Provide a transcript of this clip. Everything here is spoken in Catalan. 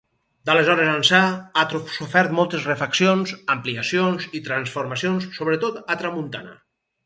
D'aleshores ençà ha sofert moltes refaccions, ampliacions i transformacions, sobretot a tramuntana.